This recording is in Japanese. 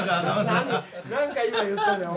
何か今言ったよ。